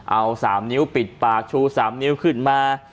เอา๓นิ้วปิดปากชู๓นิ้วขึ้นมา